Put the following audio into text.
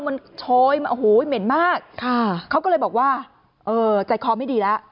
มันโชยมาโอ้โหเหม็นมากค่ะเขาก็เลยบอกว่าเออใจคอไม่ดีแล้ว